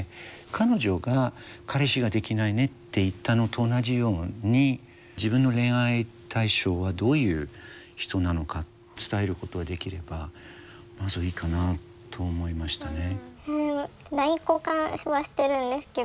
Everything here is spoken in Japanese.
彼女が「彼氏ができないね」って言ったのと同じように自分の恋愛対象はどういう人なのか伝えることができればまずいいかなと思いましたね。